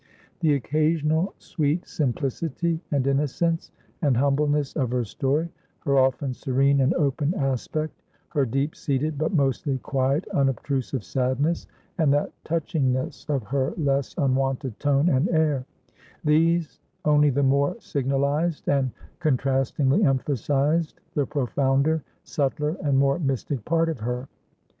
The occasional sweet simplicity, and innocence, and humbleness of her story; her often serene and open aspect; her deep seated, but mostly quiet, unobtrusive sadness, and that touchingness of her less unwonted tone and air; these only the more signalized and contrastingly emphasized the profounder, subtler, and more mystic part of her.